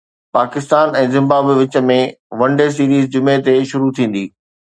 Pakistan ۽ Zimbabwe وچ ۾ one day series جمعي تي شروع ٿيندي